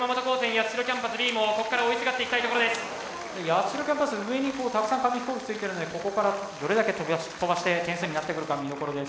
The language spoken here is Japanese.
八代キャンパス上にたくさん紙飛行機ついてるんでここからどれだけ飛ばして点数になってくるか見どころです。